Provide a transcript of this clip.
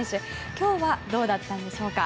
今日はどうだったんでしょうか？